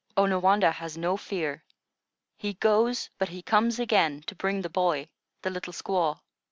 "Onawandah has no fear. He goes; but he comes again to bring the boy, the little squaw."